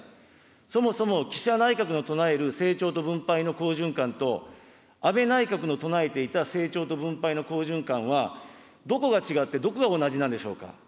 そもそも岸田内閣の唱える成長と分配の好循環と、安倍内閣の唱えていた成長と分配の好循環は、どこが違ってどこが同じなんでしょうか。